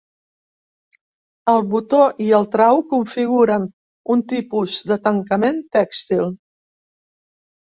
El botó i el trau configuren un tipus de tancament tèxtil.